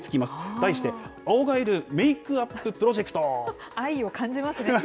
題して青ガエルメイクアッププロ愛を感じますね。